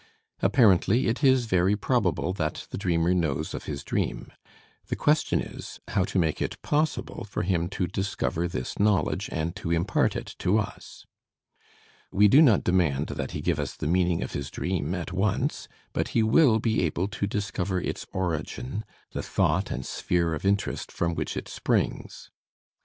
Apparently it is very probable that the dreamer knows of his dream; the question is, how to make it possible for him to discover this knowledge, and to impart it to us? We do not demand that he give us the meaning of his dream at once, but he will be able to discover its origin, the thought and sphere of interest from which it springs.